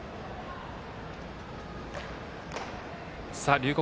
龍谷